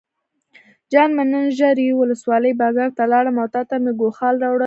جان مې نن ژرۍ ولسوالۍ بازار ته لاړم او تاته مې ګوښال راوړل.